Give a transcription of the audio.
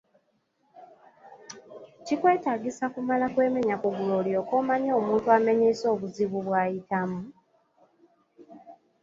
Kikwetaagisa kumala kwemenya kugulu olyoke omanye omuntu amenyese obuzibu bw'ayitamu?